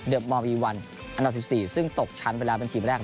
มอมอีวันอันดับ๑๔ซึ่งตกชั้นไปแล้วเป็นทีมแรก